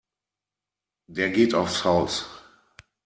Der geht aufs Haus.